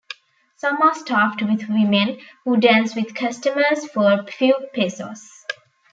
Some are staffed with women who dance with customers for a few pesos.